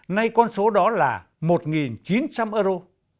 nay con số đó là một chín trăm linh euro